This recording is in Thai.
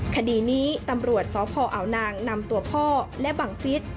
คดีนี้ตำรวจสพอาวนางนำตัวพ่อและบังฟิศ